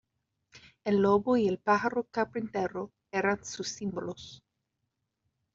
El lobo y el pájaro carpintero eran sus símbolos.